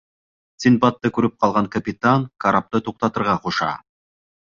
Синдбадты күреп ҡалған капитан карапты туҡтатырға ҡуша.